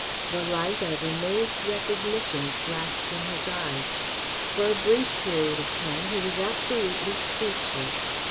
The light of amazed recognition flashed in his eyes. For a brief period of time he was absolutely speechless.